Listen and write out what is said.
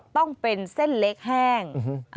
ต้องเป็นเส้นเล็กแห้ง